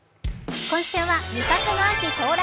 今週は「味覚の秋到来！